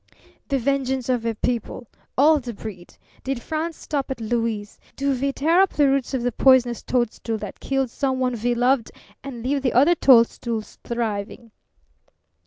"The vengeance of a people. All the breed. Did France stop at Louis? Do we tear up the roots of the poisonous toadstool that killed someone we loved and leave the other toadstools thriving?"